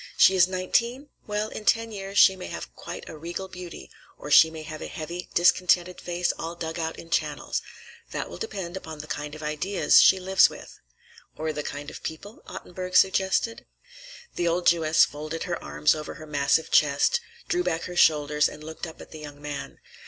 She is nineteen? Well, in ten years she may have quite a regal beauty, or she may have a heavy, discontented face, all dug out in channels. That will depend upon the kind of ideas she lives with." "Or the kind of people?" Ottenburg suggested. The old Jewess folded her arms over her massive chest, drew back her shoulders, and looked up at the young man.